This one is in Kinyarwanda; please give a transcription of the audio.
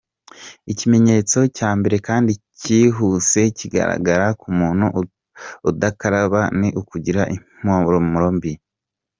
Ikimenyetso cya mbere kandi cyihuse kigaragara ku muntu udakaraba ni ukugira impumuro mbi.